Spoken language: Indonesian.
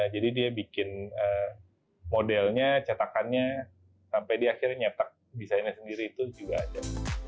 jadi dia bikin modelnya cetakannya sampai dia akhirnya nyetak desainnya sendiri itu juga aja